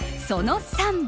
その３。